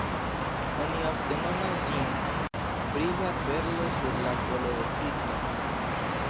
Oni ofte nomas ĝin “brila perlo sur la kolo de cigno”.